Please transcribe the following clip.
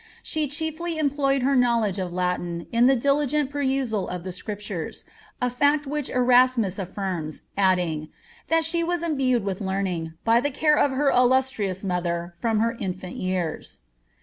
She chiefly employed her knowledge of Latin in the diligent perusal of the Scriptures, a fact which Erasmus affirms, adding, ^ that she was imbued with learning, by the care of her illustrious mother, from her infant years."